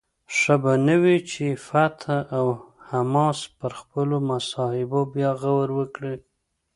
ښه به نه وي چې فتح او حماس پر خپلو محاسبو بیا غور وکړي؟